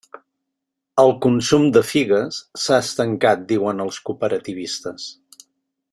El consum de figues s'ha estancat, diuen els cooperativistes.